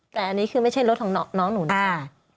แต่อันนี้คือไม่ใช่รถของน้องหนูนะ